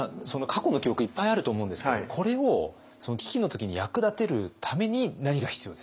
過去の記憶いっぱいあると思うんですけどこれをその危機の時に役立てるために何が必要ですか？